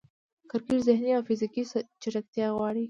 کرکټ ذهني او فزیکي چټکتیا غواړي.